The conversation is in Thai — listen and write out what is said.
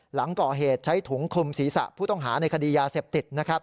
หลังก่อเหตุใช้ถุงคลุมศีรษะผู้ต้องหาในคดียาเสพติดนะครับ